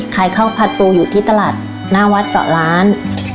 ขายข้าวผัดปูอยู่ที่ตลาดหน้าวัดเกาะล้าน